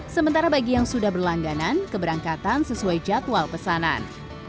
sementara bagi yang sudah berlangganan keberangkatan sesuai jadwal pesanan